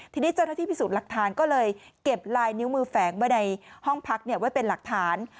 ทีนี้เจ้าหน้าที่พิสูจน์หลักฐานก็เลยเก็บลายนิ้วมือแฝงไว้ในห้องพักไว้เป็นหลักฐาน